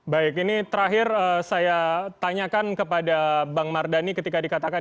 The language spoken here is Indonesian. baik ini terakhir saya tanyakan kepada bang mardhani ketika dikatakan